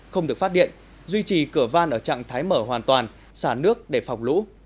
không được phát điện duy trì cửa van ở trạng thái mở hoàn toàn xả nước để phòng lũ